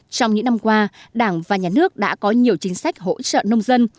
trong những năm qua đảng và nhà nước đã có nhiều chính sách hỗ trợ nông dân